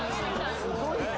すごいね。